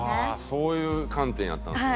そういう観点やったんですね。